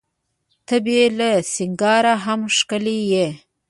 ته بې له سینګاره هم ښکلي یې.